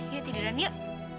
yaudah tiduran yuk